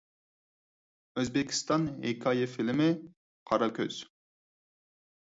ئۆزبېكىستان ھېكايە فىلىمى: «قارا كۆز» .